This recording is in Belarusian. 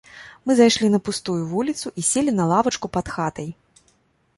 Мы зайшлі на пустую вуліцу і селі на лавачку пад хатай.